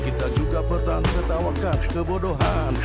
kita juga bertanggung jawabkan kebodohan